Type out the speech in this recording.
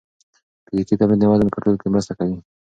فزیکي تمرین د وزن کنټرول کې مرسته کوي.